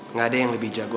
nggak ada yang lebih jago